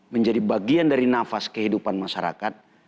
menjadi bagian dari nafas kehidupan masyarakat